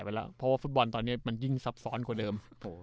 ไปแล้วเพราะว่าฟุตบอลตอนนี้มันยิ่งซับซ้อนกว่าเดิม